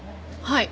はい。